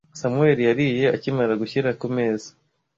Samuel yariye akimara gushyira kumeza.